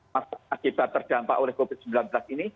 masa terdampak oleh covid sembilan belas ini